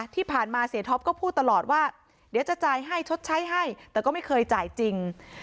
เสียท็อปก็พูดตลอดว่าเดี๋ยวจะจ่ายให้ชดใช้ให้แต่ก็ไม่เคยจ่ายจริง